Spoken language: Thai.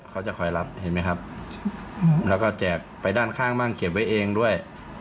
เขาจะคอยรับเห็นไหมครับแล้วก็แจกไปด้านข้างบ้างเก็บไว้เองด้วย